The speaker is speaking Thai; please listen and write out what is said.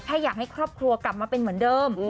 อยากให้ครอบครัวกลับมาเป็นเหมือนเดิม